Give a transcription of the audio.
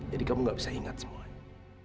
jadi kamu gak bisa ingat semuanya